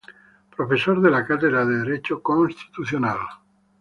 Profesor de la cátedra de Derecho Constitucional.